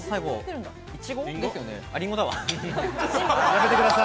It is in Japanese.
りんごだわ。